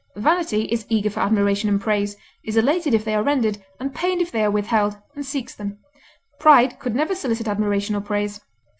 Vanity is eager for admiration and praise, is elated if they are rendered, and pained if they are withheld, and seeks them; pride could never solicit admiration or praise.